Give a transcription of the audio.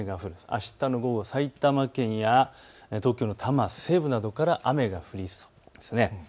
あしたの午後、埼玉県や東京の多摩西部などから雨が降ります。